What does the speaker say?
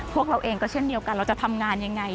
พวกเราเองก็เช่นเดียวกันเราจะทำงานยังไง